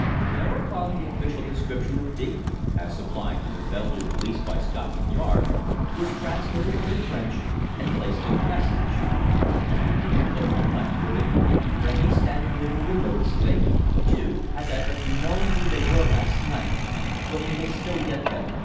Thereupon the official description of Digby, as supplied to the Belgian police by Scotland Yard, was translated into French and placed in the message. After the clerk had left with it, Frémy, standing near the window, exclaimed: "Dieu! Had I but known who they were last night! But we may still get them.